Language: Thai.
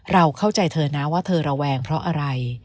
เราเข้าใจเธอนะว่าเธอระแวงเพราะอะไร